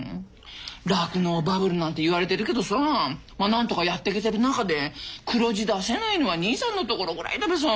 酪農バブルなんて言われてるけどさまあなんとかやっていけてる中で黒字出せないのは兄さんのところぐらいだべさ。